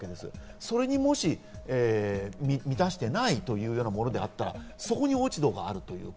それを満たしていないというものであったら、そこに落ち度がある。